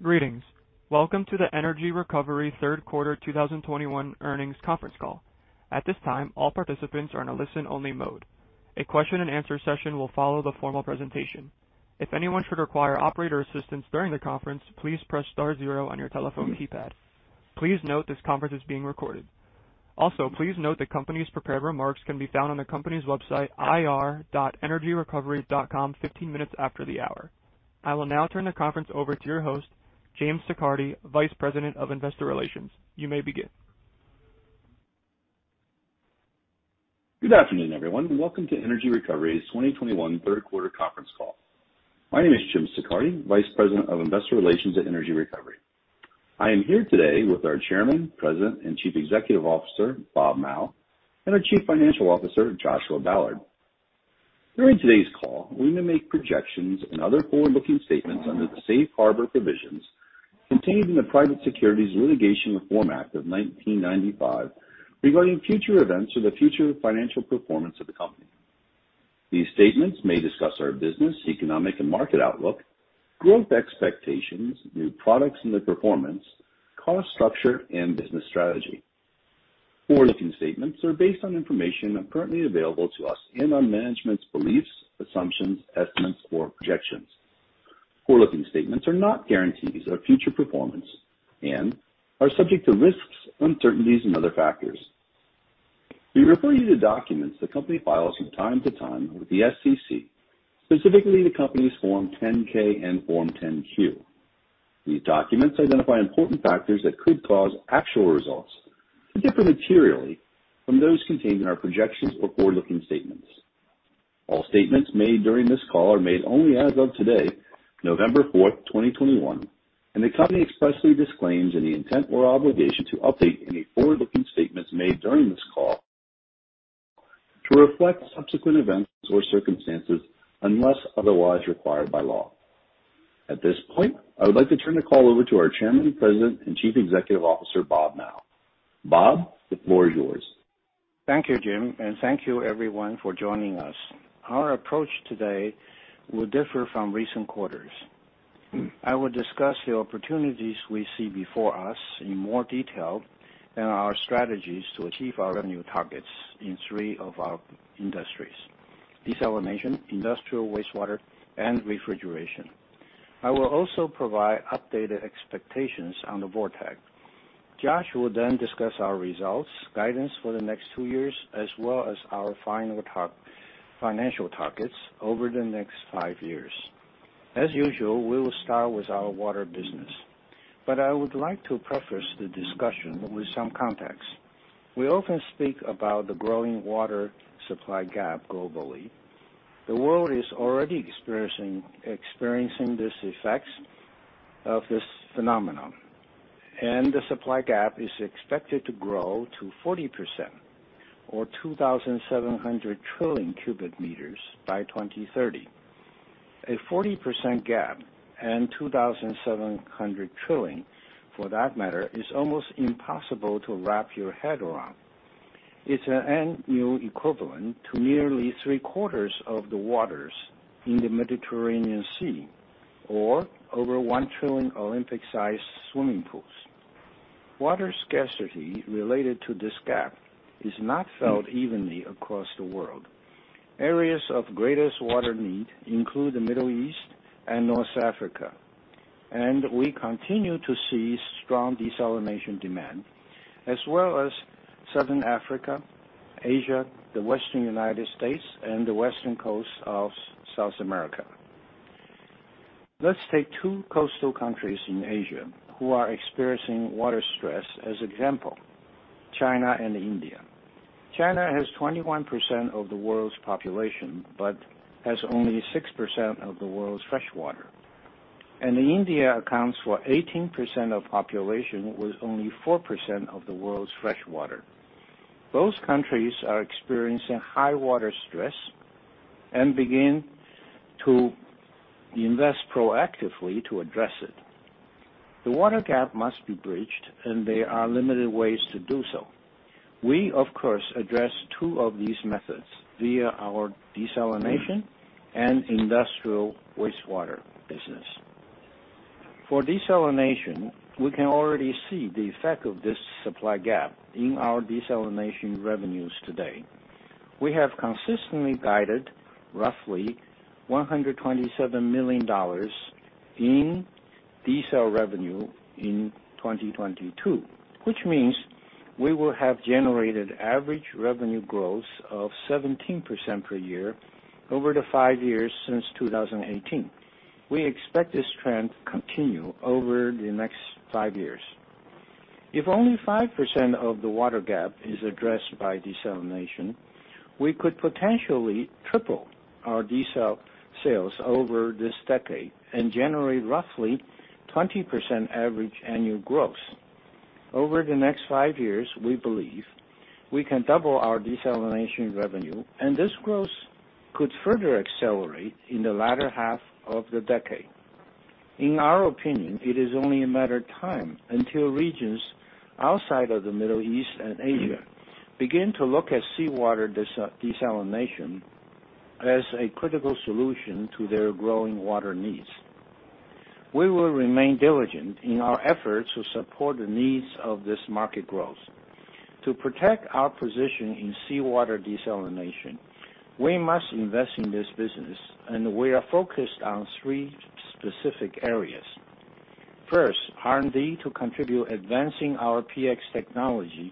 Greetings. Welcome to the Energy Recovery third quarter 2021 earnings conference call. At this time, all participants are in a listen-only mode. A question-and-answer session will follow the formal presentation. If anyone should require operator assistance during the conference, please press star zero on your telephone keypad. Please note this conference is being recorded. Also, please note the company's prepared remarks can be found on the company's website ir.energyrecovery.com 15 minutes after the hour. I will now turn the conference over to your host, Jim Siccardi, Vice President of Investor Relations. You may begin. Good afternoon, everyone, and welcome to Energy Recovery's 2021 third quarter conference call. My name is Jim Siccardi, Vice President of Investor Relations at Energy Recovery. I am here today with our Chairman, President, and Chief Executive Officer, Bob Mao, and our Chief Financial Officer, Joshua Ballard. During today's call, we may make projections and other forward-looking statements under the safe harbor provisions contained in the Private Securities Litigation Reform Act of 1995 regarding future events or the future financial performance of the company. These statements may discuss our business, economic, and market outlook, growth expectations, new products and their performance, cost structure, and business strategy. Forward-looking statements are based on information currently available to us and on management's beliefs, assumptions, estimates, or projections. Forward-looking statements are not guarantees of future performance and are subject to risks, uncertainties, and other factors. We refer you to documents the company files from time to time with the SEC, specifically the company's Form 10-K and Form 10-Q. These documents identify important factors that could cause actual results to differ materially from those contained in our projections or forward-looking statements. All statements made during this call are made only as of today, November 4th, 2021, and the company expressly disclaims any intent or obligation to update any forward-looking statements made during this call to reflect subsequent events or circumstances unless otherwise required by law. At this point, I would like to turn the call over to our Chairman, President, and Chief Executive Officer, Bob Mao. Bob, the floor is yours. Thank you, Jim, and thank you everyone for joining us. Our approach today will differ from recent quarters. I will discuss the opportunities we see before us in more detail and our strategies to achieve our revenue targets in three of our industries, Desalination, Industrial Wastewater, and Refrigeration. I will also provide updated expectations on the VorTeq. Josh will then discuss our results, guidance for the next two years, as well as our financial targets over the next five years. As usual, we will start with our Water business, but I would like to preface the discussion with some context. We often speak about the growing Water supply gap globally. The world is already experiencing these effects of this phenomenon, and the supply gap is expected to grow to 40% or 2,700 trillion cubic meters by 2030. A 40% gap and 2,700 trillion, for that matter, is almost impossible to wrap your head around. It's an annual equivalent to nearly 3/4 of the waters in the Mediterranean Sea or over 1 trillion Olympic-sized swimming pools. Water scarcity related to this gap is not felt evenly across the world. Areas of greatest water need include the Middle East and North Africa, and we continue to see strong Desalination demand, as well as Southern Africa, Asia, the Western United States, and the western coast of South America. Let's take two coastal countries in Asia who are experiencing water stress as example, China and India. China has 21% of the world's population, but has only 6% of the world's fresh water. India accounts for 18% of population, with only 4% of the world's fresh water. Both countries are experiencing high water stress and begin to invest proactively to address it. The water gap must be bridged, and there are limited ways to do so. We, of course, address two of these methods via our Desalination and Industrial Wastewater business. For Desalination, we can already see the effect of this supply gap in our Desalination revenues today. We have consistently guided roughly $127 million in Desalination revenue in 2022, which means we will have generated average revenue growth of 17% per year over the five years since 2018. We expect this trend to continue over the next five years. If only 5% of the water gap is addressed by Desalination, we could potentially triple our Desalination sales over this decade and generate roughly 20% average annual growth. Over the next five years, we believe we can double our Desalination revenue, and this growth could further accelerate in the latter half of the decade. In our opinion, it is only a matter of time until regions outside of the Middle East and Asia begin to look at seawater desalination as a critical solution to their growing water needs. We will remain diligent in our efforts to support the needs of this market growth. To protect our position in seawater desalination, we must invest in this business, and we are focused on three specific areas. First, R&D to continue advancing our PX technology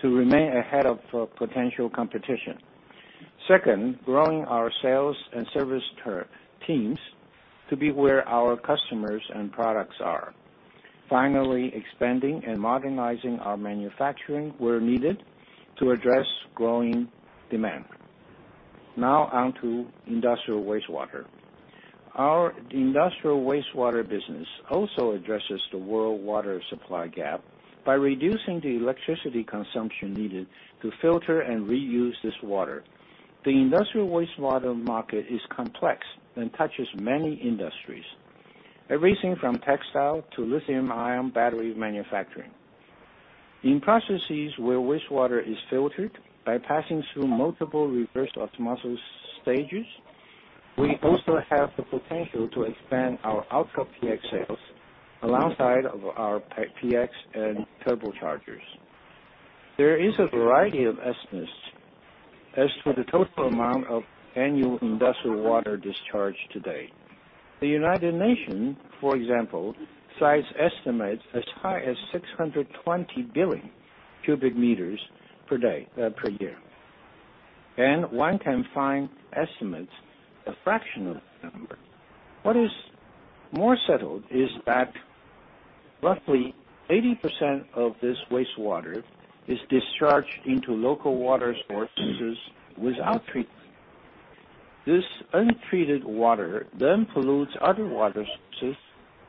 to remain ahead of potential competition. Second, growing our sales and service teams to be where our customers and products are. Finally, expanding and modernizing our manufacturing where needed to address growing demand. Now on to Industrial Wastewater. Our Industrial Wastewater business also addresses the world water supply gap by reducing the electricity consumption needed to filter and reuse this water. The Industrial Wastewater market is complex and touches many industries, everything from textile to lithium-ion battery manufacturing. In processes where wastewater is filtered by passing through multiple reverse osmosis stages, we also have the potential to expand our Ultra PX sales alongside of our PX and turbochargers. There is a variety of estimates as to the total amount of annual industrial water discharge today. The United Nations, for example, cites estimates as high as 620 billion cubic meters per year, and one can find estimates a fraction of that number. What is more settled is that roughly 80% of this wastewater is discharged into local waters or sources without treatment. This untreated water then pollutes other water sources,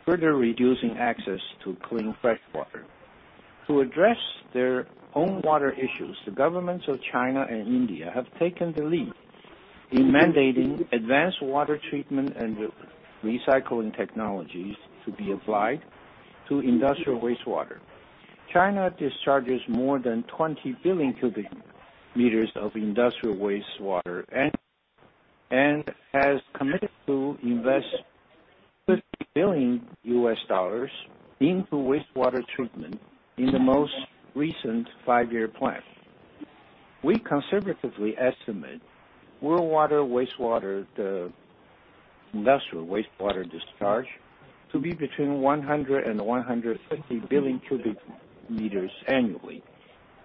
further reducing access to clean freshwater. To address their own water issues, the governments of China and India have taken the lead in mandating advanced water treatment and recycling technologies to be applied to Industrial Wastewater. China discharges more than 20 billion cubic meters of Industrial Wastewater and has committed to invest $50 billion into wastewater treatment in the most recent five-year plan. We conservatively estimate the Industrial Wastewater discharge to be between 100 billion and 150 billion cubic meters annually,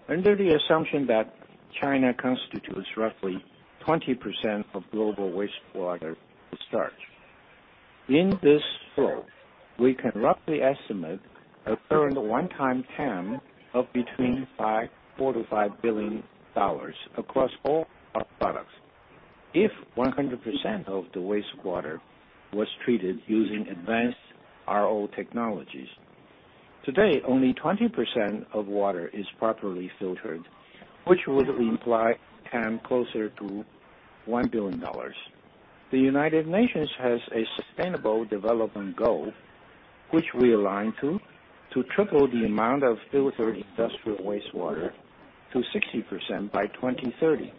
under the assumption that China constitutes roughly 20% of global wastewater discharge. In this flow, we can roughly estimate a current one-time TAM of between $4 billion-$5 billion across all our products if 100% of the wastewater was treated using advanced RO technologies. Today, only 20% of water is properly filtered, which would imply TAM closer to $1 billion. The United Nations has a Sustainable Development Goal, which we align to triple the amount of filtered Industrial Wastewater to 60% by 2030,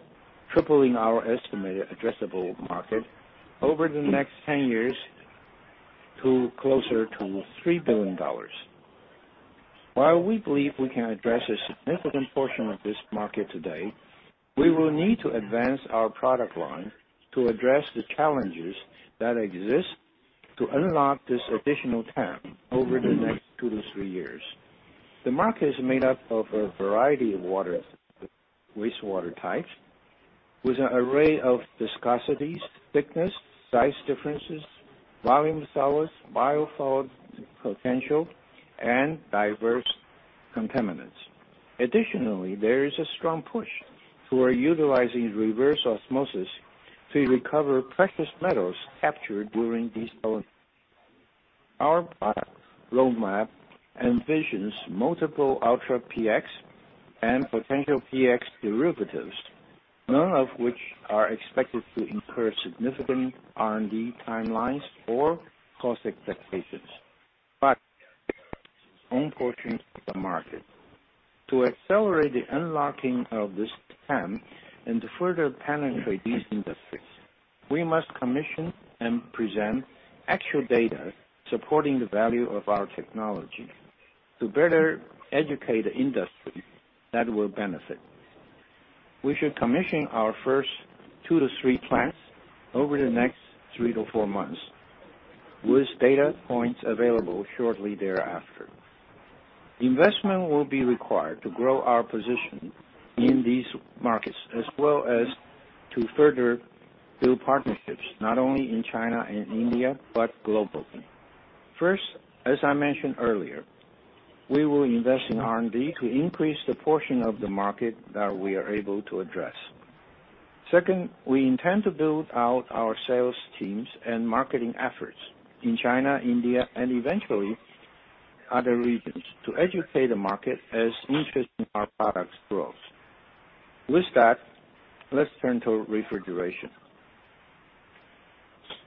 tripling our estimated addressable market over the next 10 years to closer to $3 billion. While we believe we can address a significant portion of this market today, we will need to advance our product line to address the challenges that exist to unlock this additional TAM over the next two-three years. The market is made up of a variety of wastewater types with an array of viscosities, thickness, size differences, volume solids, biofouling potential, and diverse contaminants. Additionally, there is a strong push for utilizing reverse osmosis to recover precious metals captured during desalination. Our product roadmap envisions multiple Ultra PX and potential PX derivatives, none of which are expected to incur significant R&D timelines or cost expectations, but to own portions of the market. To accelerate the unlocking of this TAM and to further penetrate these industries, we must commission and present actual data supporting the value of our technology to better educate the industry that will benefit. We should commission our first two-three plants over the next three-four months, with data points available shortly thereafter. Investment will be required to grow our position in these markets, as well as to further build partnerships, not only in China and India, but globally. First, as I mentioned earlier, we will invest in R&D to increase the portion of the market that we are able to address. Second, we intend to build out our sales teams and marketing efforts in China, India, and eventually other regions to educate the market as interest in our products grows. With that, let's turn to Refrigeration.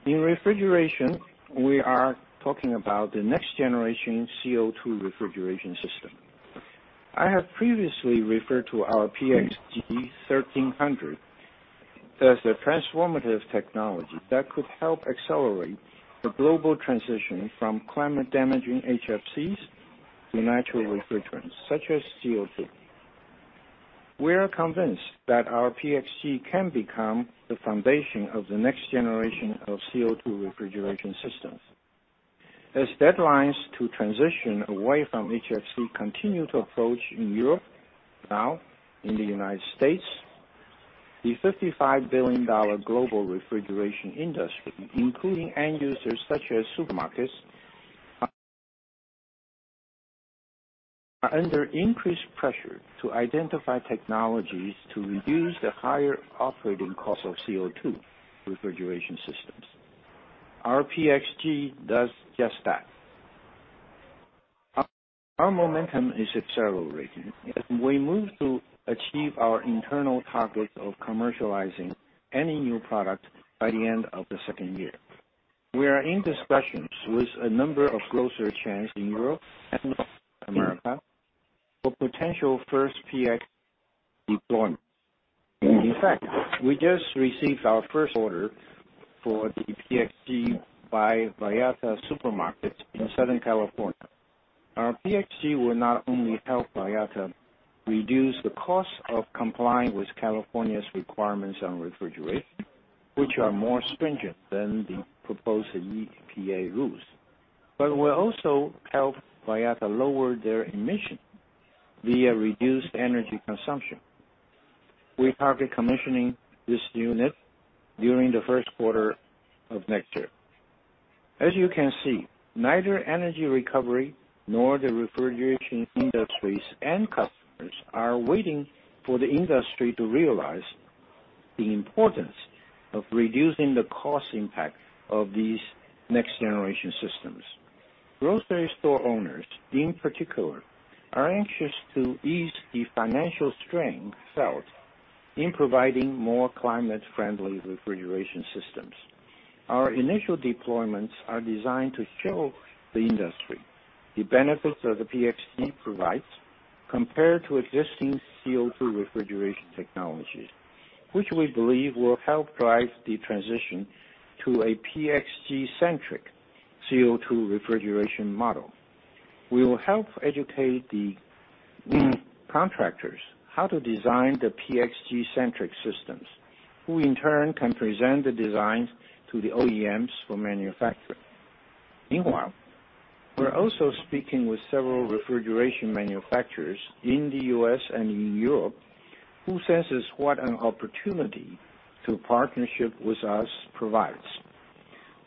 In Refrigeration, we are talking about the next generation CO₂ refrigeration system. I have previously referred to our PX G1300 as the transformative technology that could help accelerate the global transition from climate-damaging HFCs to natural refrigerants such as CO₂. We are convinced that our PX G1300 can become the foundation of the next generation of CO₂ refrigeration systems. As deadlines to transition away from HFC continue to approach in Europe, now in the United States, the $55 billion global Refrigeration industry, including end users such as supermarkets, are under increased pressure to identify technologies to reduce the higher operating cost of CO₂ refrigeration systems. Our PX G1300 does just that. Our momentum is accelerating as we move to achieve our internal targets of commercializing any new product by the end of the second year. We are in discussions with a number of grocery chains in Europe and North America for potential first PX deployments. In fact, we just received our first order for the PX G1300 by Vallarta Supermarkets in Southern California. Our PX G1300 will not only help Vallarta reduce the cost of complying with California's requirements on refrigeration, which are more stringent than the proposed EPA rules, but will also help Vallarta lower their emission via reduced energy consumption. We target commissioning this unit during the first quarter of next year. As you can see, neither Energy Recovery nor the Refrigeration industries and customers are waiting for the industry to realize the importance of reducing the cost impact of these next-generation systems. Grocery store owners, in particular, are anxious to ease the financial strain felt in providing more climate-friendly refrigeration systems. Our initial deployments are designed to show the industry the benefits that the PX G1300 provides compared to existing CO₂ refrigeration technologies, which we believe will help drive the transition to a PXG-centric CO₂ refrigeration model. We will help educate the contractors how to design the PXG-centric systems, who in turn can present the designs to the OEMs for manufacturing. Meanwhile, we're also speaking with several refrigeration manufacturers in the U.S. and in Europe who sense what an opportunity to partner with us provides.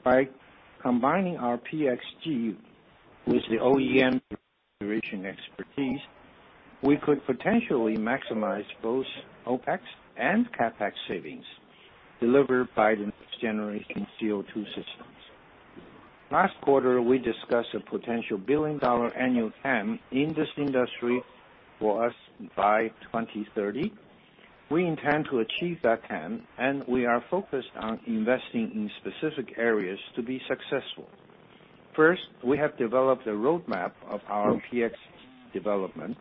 By combining our PX G1300 with the OEM refrigeration expertise, we could potentially maximize both OpEx and CapEx savings delivered by the next-generation CO₂ systems. Last quarter, we discussed a potential billion-dollar annual TAM in this industry for us by 2030. We intend to achieve that TAM, and we are focused on investing in specific areas to be successful. First, we have developed a roadmap of our PX development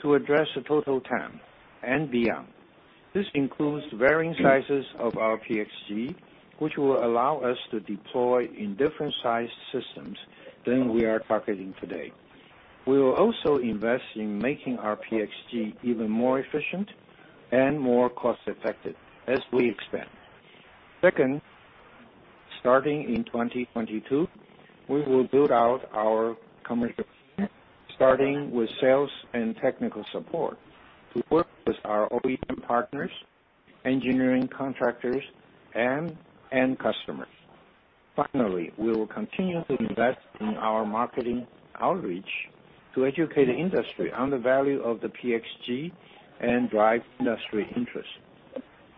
to address the total TAM and beyond. This includes varying sizes of our PX G1300, which will allow us to deploy in different sized systems than we are targeting today. We will also invest in making our PX G1300 even more efficient and more cost-effective as we expand. Second, starting in 2022, we will build out our commercial team, starting with sales and technical support to work with our OEM partners, engineering contractors, and end customers. Finally, we will continue to invest in our marketing outreach to educate the industry on the value of the PX G1300 and drive industry interest.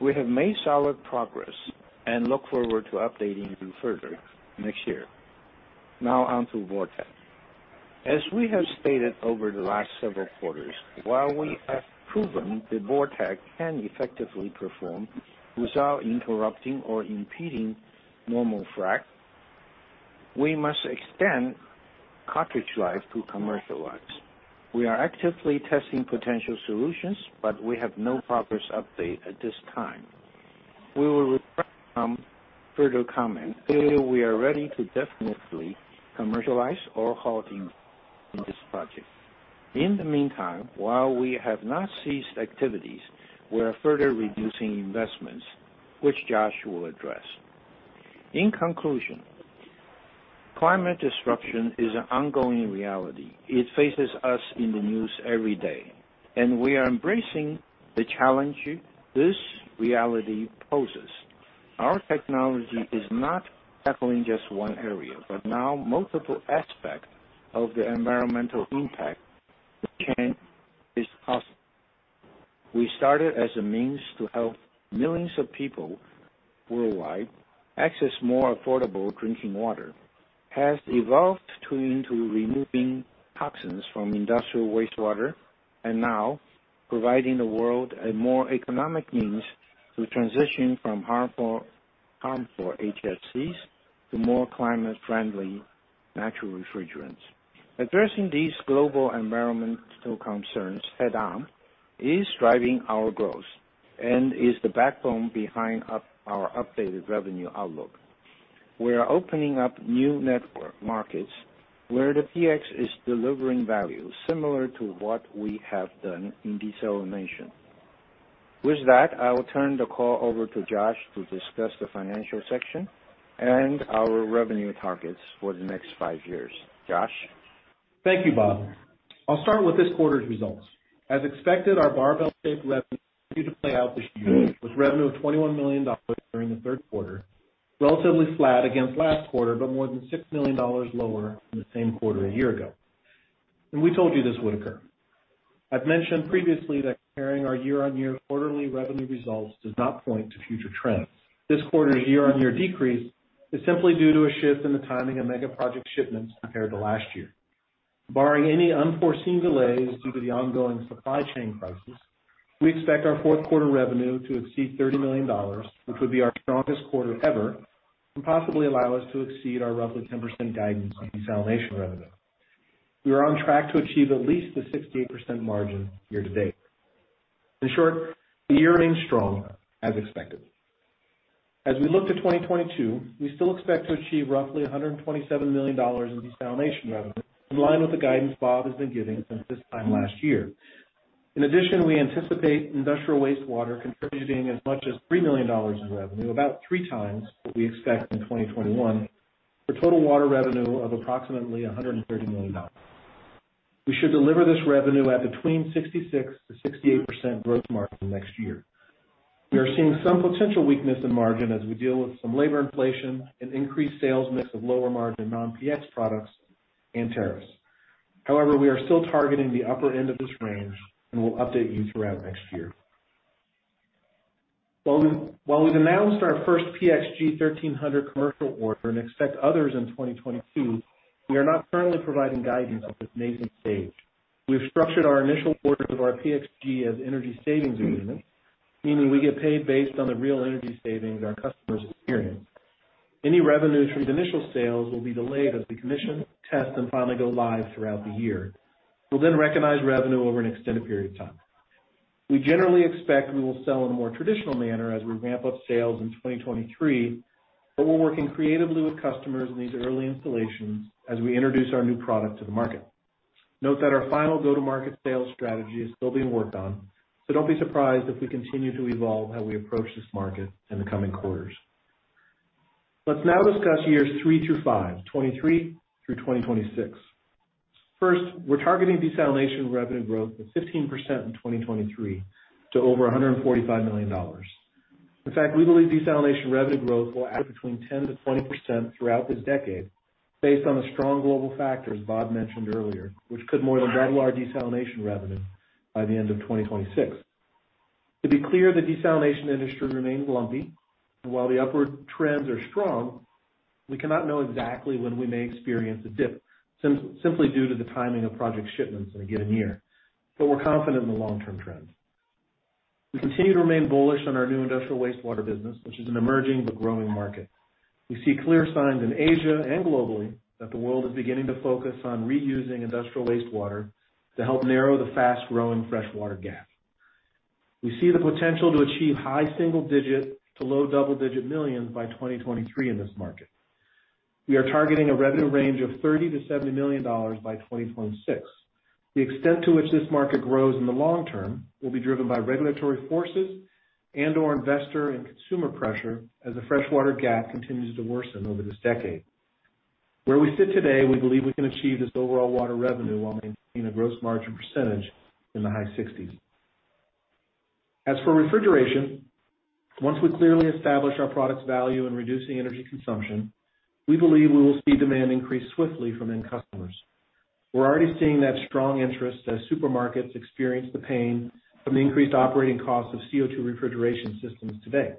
We have made solid progress and look forward to updating you further next year. Now on to VorTeq. As we have stated over the last several quarters, while we have proven that VorTeq can effectively perform without interrupting or impeding normal frac, we must extend cartridge life to commercialize. We are actively testing potential solutions, but we have no progress update at this time. We will refrain from further comment until we are ready to definitely commercialize or halt in this project. In the meantime, while we have not ceased activities, we are further reducing investments, which Josh will address. In conclusion, climate disruption is an ongoing reality. It faces us in the news every day, and we are embracing the challenge this reality poses. Our technology is not tackling just one area, but now multiple aspects of the environmental impact of change is possible. We started as a means to help millions of people worldwide access more affordable drinking water. It has evolved into removing toxins from Industrial Wastewater and now providing the world a more economic means to transition from harmful HFCs to more climate-friendly natural refrigerants. Addressing these global environmental concerns head on is driving our growth and is the backbone behind our updated revenue outlook. We are opening up new markets where the PX is delivering value similar to what we have done in Desalination. With that, I will turn the call over to Josh to discuss the financial section and our revenue targets for the next five years. Josh? Thank you, Bob. I'll start with this quarter's results. As expected, our barbell-shaped revenue continued to play out this year, with revenue of $21 million during the third quarter, relatively flat against last quarter, but more than $6 million lower than the same quarter a year ago. We told you this would occur. I've mentioned previously that comparing our year-on-year quarterly revenue results does not point to future trends. This quarter's year-on-year decrease is simply due to a shift in the timing of mega project shipments compared to last year. Barring any unforeseen delays due to the ongoing supply chain crisis, we expect our fourth quarter revenue to exceed $30 million, which would be our strongest quarter ever, and possibly allow us to exceed our roughly 10% guidance on desalination revenue. We are on track to achieve at least the 68% margin year-to-date. In short, the year-end is strong as expected. As we look to 2022, we still expect to achieve roughly $127 million in Desalination revenue, in line with the guidance Bob has been giving since this time last year. In addition, we anticipate Industrial Wastewater contributing as much as $3 million in revenue, about 3x what we expect in 2021, for total Water revenue of approximately $130 million. We should deliver this revenue at between 66%-68% gross margin next year. We are seeing some potential weakness in margin as we deal with some labor inflation and increased sales mix of lower margin non-PX products and tariffs. However, we are still targeting the upper end of this range, and we'll update you throughout next year. We've announced our first PX G1300 commercial order and expect others in 2022, we are not currently providing guidance at this nascent stage. We've structured our initial orders of our PX G1300 as energy savings agreements, meaning we get paid based on the real energy savings our customers experience. Any revenue from the initial sales will be delayed as we commission, test, and finally go live throughout the year. We'll then recognize revenue over an extended period of time. We generally expect we will sell in a more traditional manner as we ramp up sales in 2023, but we're working creatively with customers in these early installations as we introduce our new product to the market. Note that our final go-to-market sales strategy is still being worked on, so don't be surprised if we continue to evolve how we approach this market in the coming quarters. Let's now discuss years three through five, 2023 through 2026. First, we're targeting Desalination revenue growth of 15% in 2023 to over $145 million. In fact, we believe Desalination revenue growth will add between 10%-20% throughout this decade based on the strong global factors Bob mentioned earlier, which could more than double our Desalination revenue by the end of 2026. To be clear, the Desalination industry remains lumpy, and while the upward trends are strong, we cannot know exactly when we may experience a dip, simply due to the timing of project shipments in a given year. We're confident in the long-term trends. We continue to remain bullish on our new Industrial Wastewater business, which is an emerging but growing market. We see clear signs in Asia and globally that the world is beginning to focus on reusing Industrial Wastewater to help narrow the fast-growing freshwater gap. We see the potential to achieve high single-digit to low double-digit millions by 2023 in this market. We are targeting a revenue range of $30 million-$70 million by 2026. The extent to which this market grows in the long-term will be driven by regulatory forces and/or investor and consumer pressure as the freshwater gap continues to worsen over this decade. Where we sit today, we believe we can achieve this overall Water revenue while maintaining a gross margin percentage in the high 60s%. As for Refrigeration, once we clearly establish our product's value in reducing energy consumption, we believe we will see demand increase swiftly from end customers. We're already seeing that strong interest as supermarkets experience the pain from the increased operating costs of CO₂ refrigeration systems today.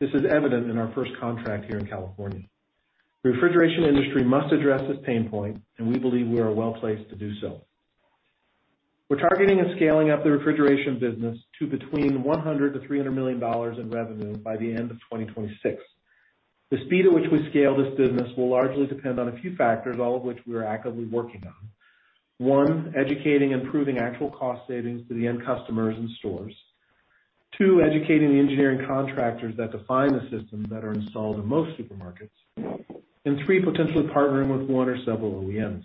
This is evident in our first contract here in California. The Refrigeration industry must address this pain point, and we believe we are well placed to do so. We're targeting a scaling of the Refrigeration business to between $100 million-$300 million in revenue by the end of 2026. The speed at which we scale this business will largely depend on a few factors, all of which we are actively working on. One, educating and proving actual cost savings to the end customers and stores. Two, educating the engineering contractors that define the systems that are installed in most supermarkets. Three, potentially partnering with one or several OEMs.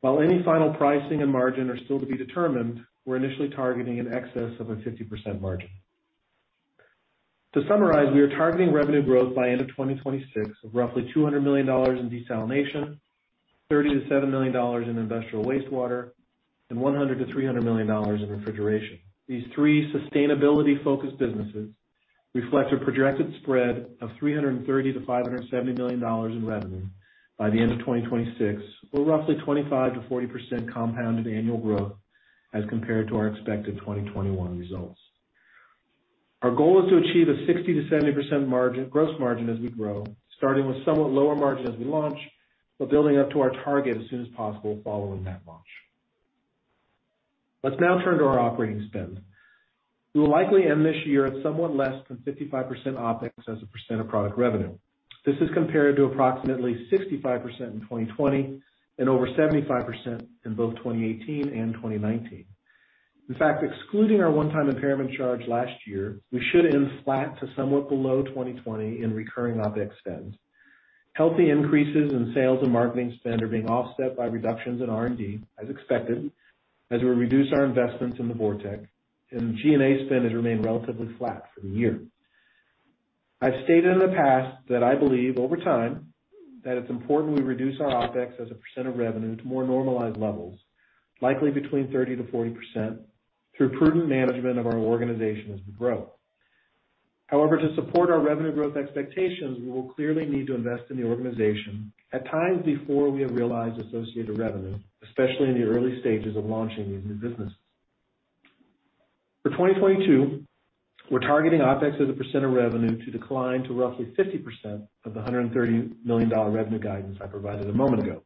While any final pricing and margin are still to be determined, we're initially targeting in excess of a 50% margin. To summarize, we are targeting revenue growth by end of 2026 of roughly $200 million in Desalination, $30 million-$70 million in Industrial Wastewater, and $100 million-$300 million in Refrigeration. These three sustainability-focused businesses reflect a projected spread of $330 million-$570 million in revenue by the end of 2026, or roughly 25%-40% compounded annual growth as compared to our expected 2021 results. Our goal is to achieve a 60%-70% margin, gross margin as we grow, starting with somewhat lower margin as we launch, but building up to our target as soon as possible following that launch. Let's now turn to our operating spend. We will likely end this year at somewhat less than 55% OpEx as a percent of product revenue. This is compared to approximately 65% in 2020 and over 75% in both 2018 and 2019. In fact, excluding our one-time impairment charge last year, we should end flat to somewhat below 2020 in recurring OpEx spend. Healthy increases in sales and marketing spend are being offset by reductions in R&D, as expected, as we reduce our investments in the VorTeq, and G&A spend has remained relatively flat for the year. I've stated in the past that I believe over time that it's important we reduce our OpEx as a percent of revenue to more normalized levels, likely between 30%-40% through prudent management of our organization as we grow. However, to support our revenue growth expectations, we will clearly need to invest in the organization at times before we have realized associated revenue, especially in the early stages of launching these new businesses. For 2022, we're targeting OpEx as a percent of revenue to decline to roughly 50% of the $130 million revenue guidance I provided a moment ago.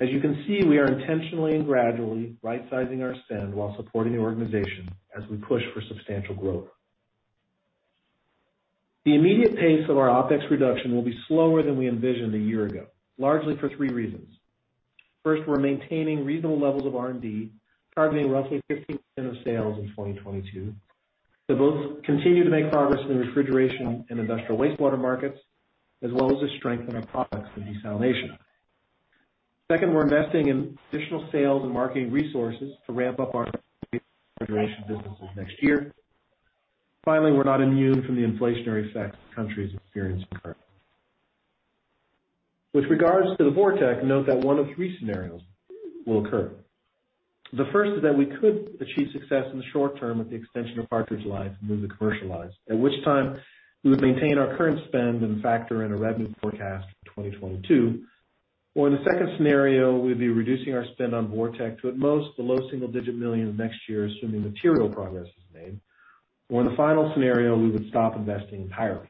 As you can see, we are intentionally and gradually rightsizing our spend while supporting the organization as we push for substantial growth. The immediate pace of our OpEx reduction will be slower than we envisioned a year ago, largely for three reasons. First, we're maintaining reasonable levels of R&D, targeting roughly 15% of sales in 2022 to both continue to make progress in the Refrigeration and Industrial Wastewater markets, as well as to strengthen our products for Desalination. Second, we're investing in additional sales and marketing resources to ramp up our Refrigeration businesses next year. Finally, we're not immune from the inflationary effects countries experience currently. With regards to the VorTeq, note that one of three scenarios will occur. The first is that we could achieve success in the short-term with the extension of cartridge life and move to commercialize, at which time we would maintain our current spend and factor in a revenue forecast for 2022. In the second scenario, we'd be reducing our spend on VorTeq to at most the low single-digit millions next year, assuming material progress is made. In the final scenario, we would stop investing entirely.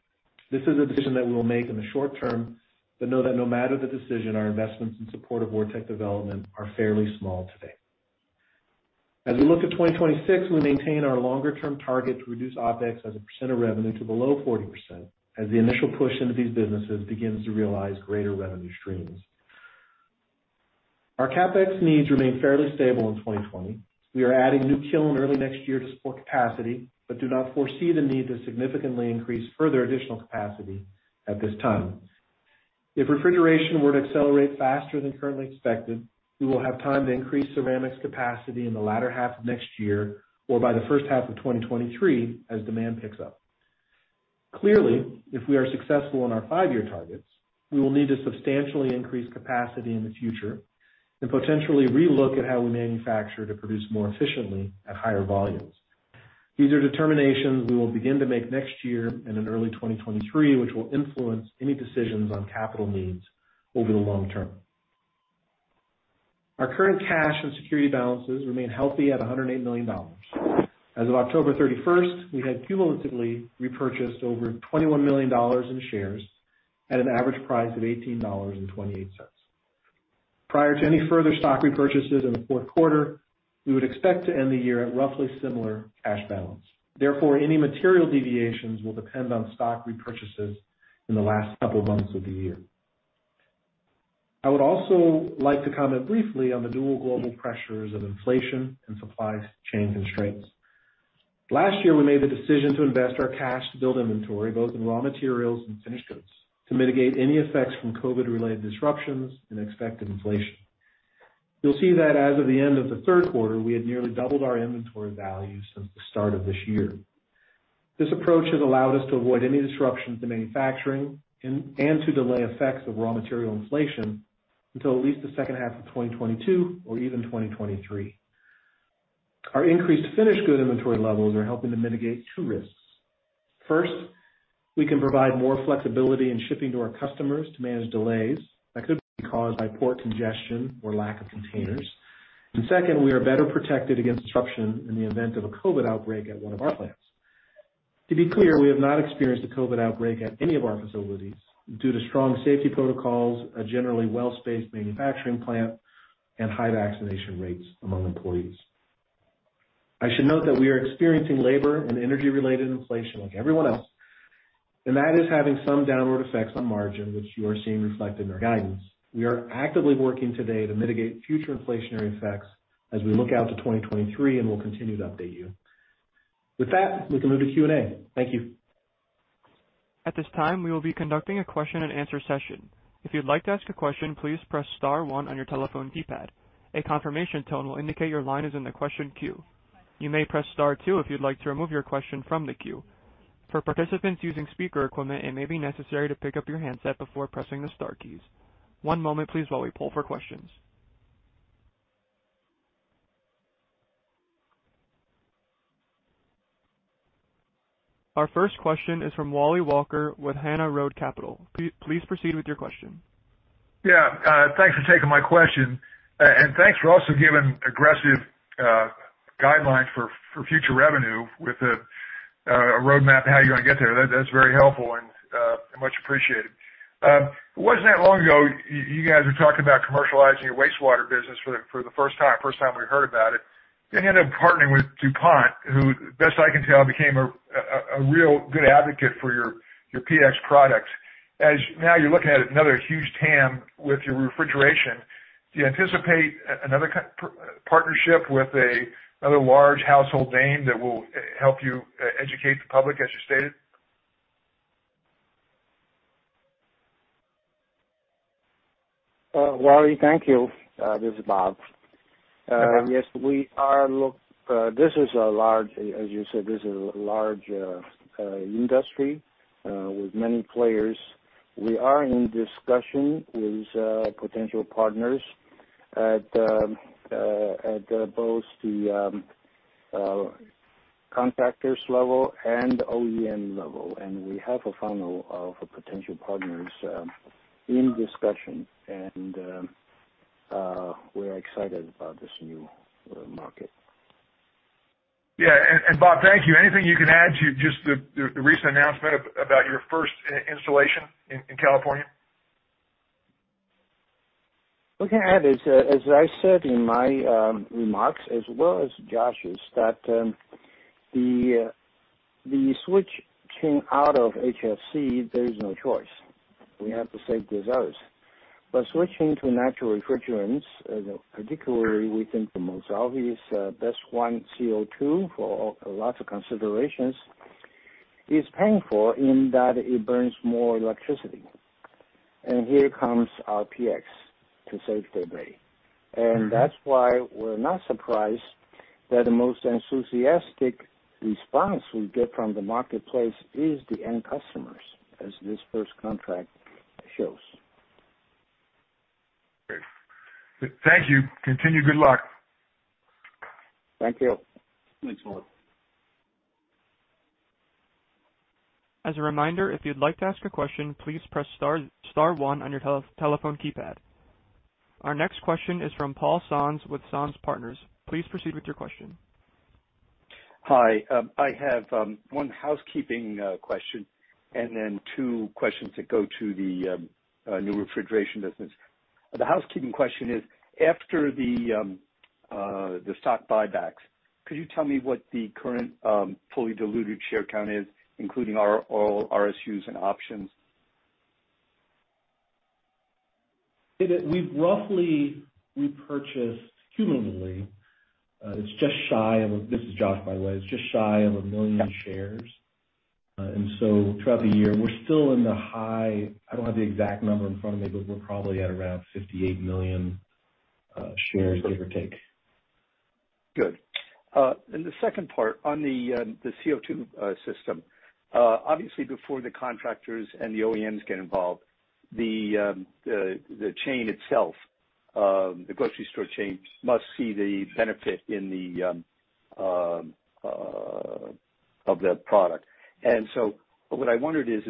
This is a decision that we will make in the short-term, but know that no matter the decision, our investments in support of VorTeq development are fairly small today. As we look to 2026, we maintain our longer-term target to reduce OpEx as a percent of revenue to below 40% as the initial push into these businesses begins to realize greater revenue streams. Our CapEx needs remain fairly stable in 2020. We are adding new kiln early next year to support capacity, but do not foresee the need to significantly increase further additional capacity at this time. If Refrigeration were to accelerate faster than currently expected, we will have time to increase ceramics capacity in the latter half of next year or by the first half of 2023 as demand picks up. Clearly, if we are successful in our five-year targets, we will need to substantially increase capacity in the future and potentially relook at how we manufacture to produce more efficiently at higher volumes. These are determinations we will begin to make next year and in early 2023, which will influence any decisions on capital needs over the long-term. Our current cash and security balances remain healthy at $108 million. As of October 31st, we had cumulatively repurchased over $21 million in shares at an average price of $18.28. Prior to any further stock repurchases in the fourth quarter, we would expect to end the year at roughly similar cash balance. Therefore, any material deviations will depend on stock repurchases in the last couple of months of the year. I would also like to comment briefly on the dual global pressures of inflation and supply chain constraints. Last year, we made the decision to invest our cash to build inventory, both in raw materials and finished goods, to mitigate any effects from COVID-related disruptions and expected inflation. You'll see that as of the end of the third quarter, we had nearly doubled our inventory value since the start of this year. This approach has allowed us to avoid any disruptions in manufacturing and to delay effects of raw material inflation until at least the second half of 2022 or even 2023. Our increased finished good inventory levels are helping to mitigate two risks. First, we can provide more flexibility in shipping to our customers to manage delays that could be caused by port congestion or lack of containers. Second, we are better protected against disruption in the event of a COVID outbreak at one of our plants. To be clear, we have not experienced a COVID outbreak at any of our facilities due to strong safety protocols, a generally well-spaced manufacturing plant, and high vaccination rates among employees. I should note that we are experiencing labor and energy-related inflation like everyone else, and that is having some downward effects on margin, which you are seeing reflected in our guidance. We are actively working today to mitigate future inflationary effects as we look out to 2023, and we'll continue to update you. With that, we can move to Q&A. Thank you. At this time, we will be conducting a question-and-answer session. If you'd like to ask a question, please press star one on your telephone keypad. A confirmation tone will indicate your line is in the question queue. You may press star two if you'd like to remove your question from the queue. For participants using speaker equipment, it may be necessary to pick up your handset before pressing the star keys. One moment, please, while we poll for questions. Our first question is from Wally Walker with Hana Road Capital. Please proceed with your question. Yeah. Thanks for taking my question and thanks for also giving aggressive guidelines for future revenue with a roadmap how you're gonna get there. That's very helpful and much appreciated. It wasn't that long ago you guys were talking about commercializing your Wastewater business for the first time we heard about it. You ended up partnering with DuPont, who, best I can tell, became a real good advocate for your PX products. Now you're looking at another huge TAM with your Refrigeration. Do you anticipate another key partnership with another large household name that will help you educate the public, as you stated? Wally, thank you. This is Bob. Hi, Bob. Yes, this is a large industry, as you said, with many players. We are in discussion with potential partners at both the contractors level and OEM level. We have a funnel of potential partners in discussion and we're excited about this new market. Yeah. Bob, thank you. Anything you can add to just the recent announcement about your first installation in California? What I can add is, as I said in my remarks as well as Josh's, that the switch came out of HFC, there is no choice. We have to save this Earth. By switching to natural refrigerants, particularly we think the most obvious best one, CO2, for a lot of considerations, is painful in that it burns more electricity. Here comes our PX to save the day. Mm-hmm. That's why we're not surprised that the most enthusiastic response we get from the marketplace is the end customers, as this first contract shows. Great. Thank you. Continued good luck. Thank you. Thanks Wally. As a reminder, if you'd like to ask a question, please press star one on your telephone keypad. Our next question is from Paul Sonz with Sonz Partners. Please proceed with your question. Hi. I have one housekeeping question and then two questions that go to the new Refrigeration business. The housekeeping question is, after the stock buybacks, could you tell me what the current fully diluted share count is, including all RSUs and options? We've roughly repurchased cumulatively. This is Josh, by the way. It's just shy of 1 million shares. Got it. Throughout the year, we're still in the high. I don't have the exact number in front of me, but we're probably at around 58 million shares, give or take. Good. The second part on the CO₂ system. Obviously before the contractors and the OEMs get involved, the chain itself, the grocery store chains must see the benefit in the adoption of that product. What I wondered is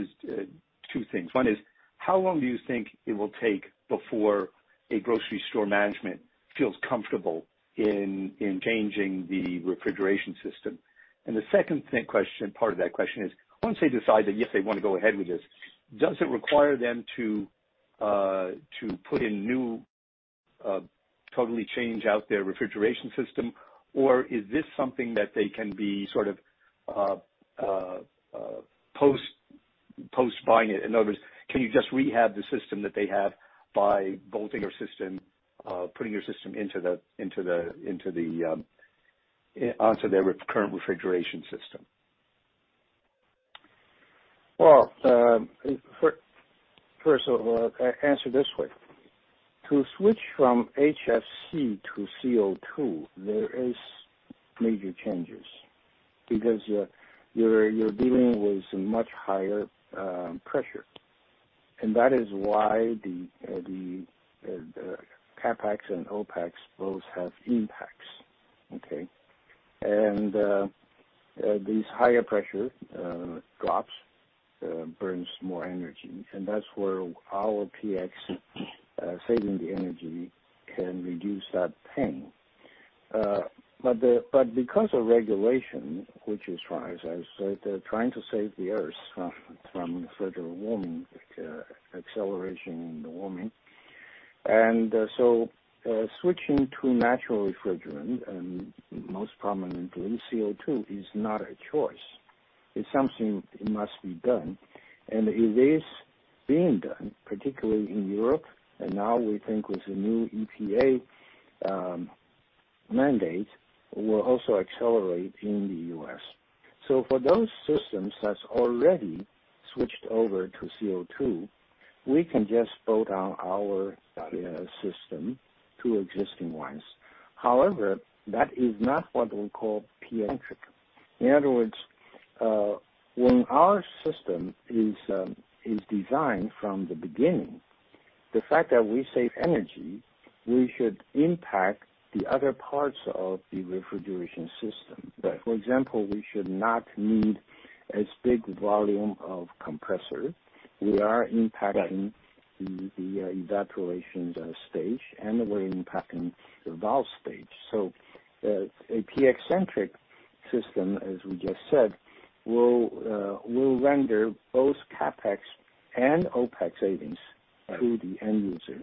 two things. One is, how long do you think it will take before a grocery store management feels comfortable in changing the refrigeration system? The second question, part of that question is, once they decide that, yes, they wanna go ahead with this, does it require them to put in new totally change out their refrigeration system or is this something that they can be sort of post buying it? In other words, can you just rehab the system that they have by bolting your system onto their current refrigeration system? Well, first of all, I answer this way. To switch from HFC to CO2, there is major changes because you're dealing with much higher pressure. That is why the CapEx and OpEx both have impacts. Okay. These higher pressure drops burns more energy, and that's where our PX saving the energy can reduce that pain. But because of regulation, which is wise, as trying to save the Earth from further warming, acceleration in the warming. Switching to natural refrigerant and most prominently CO2 is not a choice. It's something that must be done. It is being done, particularly in Europe, and now we think with the new EPA mandate will also accelerate in the U.S. For those systems that's already switched over to CO₂, we can just bolt on our system to existing ones. However, that is not what we call PX. In other words, when our system is designed from the beginning, the fact that we save energy. We should impact the other parts of the refrigeration system. Right. For example, we should not need as big volume of compressor. We are impacting- Right.... the evaporation stage, and we're impacting the valve stage. A PX-centric system, as we just said, will render both CapEx and OpEx savings- Right.... to the end user.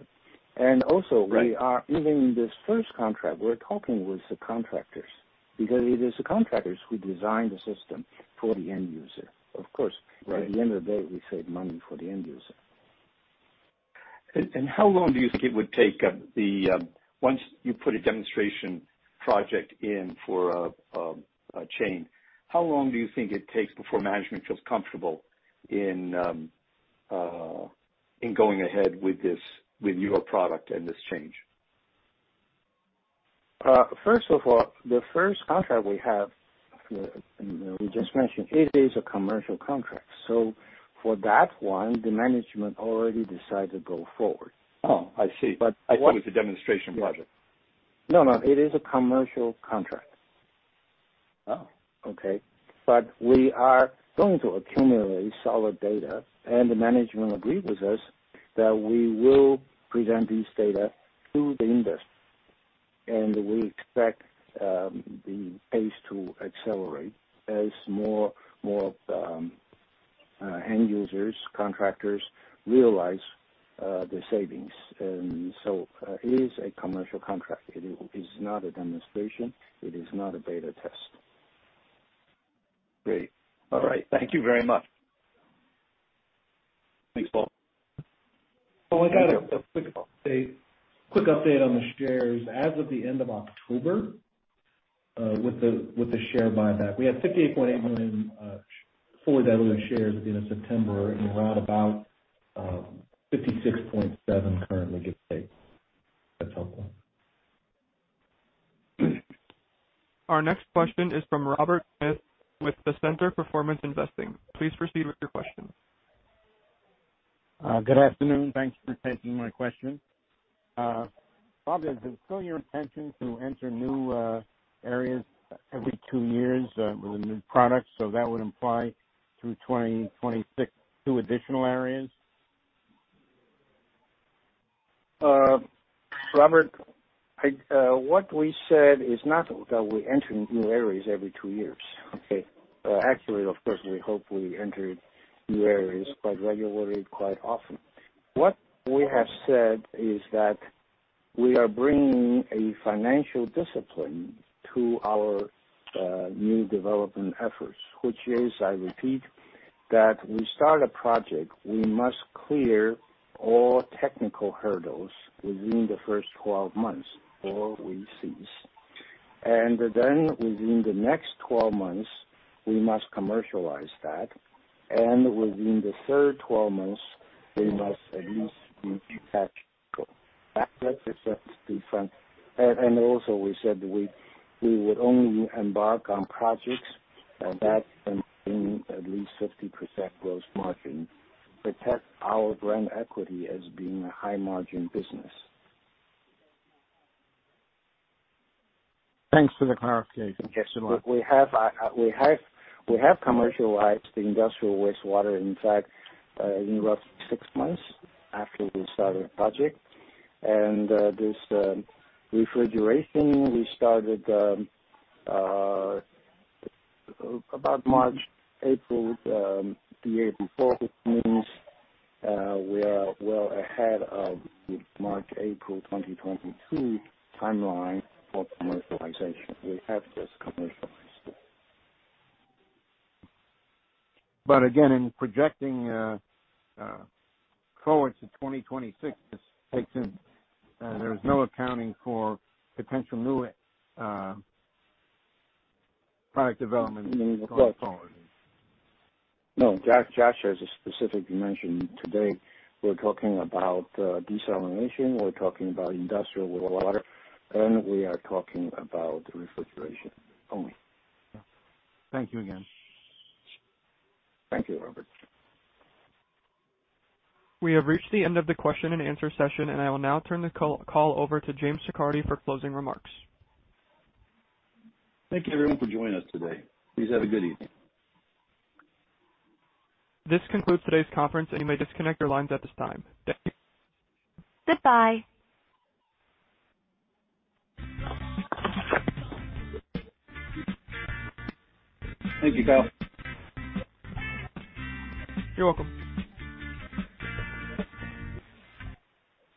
Also- Right.... we are, even in this first contract, we're talking with the contractors because it is the contractors who design the system for the end user. Of course. Right. At the end of the day, we save money for the end user. How long do you think it would take, once you put a demonstration project in for a chain, how long do you think it takes before management feels comfortable in going ahead with this, with your product and this change? First of all, the first contract we have, and we just mentioned, it is a commercial contract. For that one, the management already decided to go forward. Oh, I see. But... I thought it was a demonstration project. No, no. It is a commercial contract. Oh, okay. We are going to accumulate solid data, and the management agreed with us that we will present this data to the industry. We expect the pace to accelerate as more end users, contractors realize the savings. It is a commercial contract. It is not a demonstration. It is not a beta test. Great. All right. Thank you very much. Thanks, Paul. Paul, I got a quick update on the shares. As of the end of October, with the share buyback, we had 58.8 million fully diluted shares at the end of September and we're at about 56.7 million currently, just so that's helpful. Our next question is from Robert Smith with the Center for Performance Investing. Please proceed with your question. Good afternoon. Thanks for taking my question. Bob, is it still your intention to enter new areas every two years with new products? That would imply through 2026, two additional areas. Robert, what we said is not that we enter new areas every two years, okay? Actually, of course, we hope we enter new areas quite regularly, quite often. What we have said is that we are bringing a financial discipline to our new development efforts, which is, I repeat, that we start a project, we must clear all technical hurdles within the first 12 months or we cease. Within the next 12 months, we must commercialize that. Within the third 12 months, we must at least be cash flow. That's the difference. Also we said we would only embark on projects that bring at least 50% gross margin, protect our brand equity as being a high margin business. Thanks for the clarification. Yes. We have commercialized the Industrial Wastewater. In fact, in about six months after we started the project. This Refrigeration, we started about March, April, the April 4th means we are well ahead of the March, April 2022 timeline for commercialization. We have this commercialized. Again, in projecting forward to 2026, this takes in. There's no accounting for potential new product development going forward. No, Josh has specifically mentioned today, we're talking about Desalination, we're talking about Industrial Wastewater, and we are talking about Refrigeration only. Thank you again. Thank you, Robert. We have reached the end of the question-and-answer session, and I will now turn the call over to James Siccardi for closing remarks. Thank you everyone for joining us today. Please have a good evening. This concludes today's conference, and you may disconnect your lines at this time. Thank you. Goodbye. Thank you, Kyle. You're welcome.